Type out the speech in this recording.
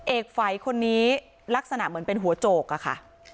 ฝัยคนนี้ลักษณะเหมือนเป็นหัวโจกอะค่ะ